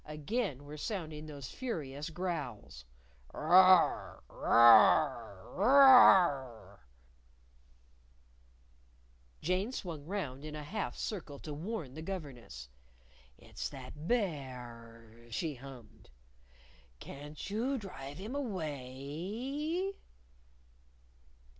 Again were sounding those furious growls "Rar! Rar! Rar!" Jane swung round in a half circle to warn the governess. "It's that Bear!" she hummed. "Can't you drive him away?"